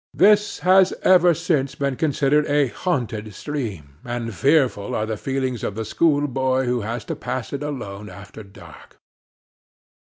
This has ever since been considered a haunted stream, and fearful are the feelings of the schoolboy who has to pass it alone after dark.